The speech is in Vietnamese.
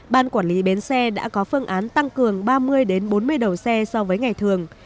ban quản lý bến xe đã có phương án tăng cường ba mươi bốn mươi đầu xe so với ngày thường